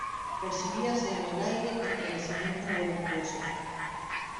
percibíase en el aire estremecimientos voluptuosos.